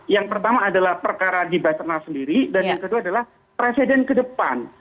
yang pertama adalah perkara di baternal sendiri dan yang kedua adalah presiden ke depan